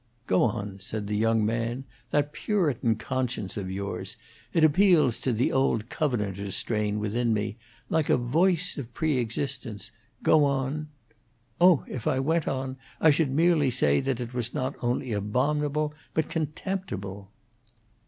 "Go on," said the young man. "That Puritan conscience of yours! It appeals to the old Covenanter strain in me like a voice of pre existence. Go on " "Oh, if I went on I should merely say it was not only abominable, but contemptible."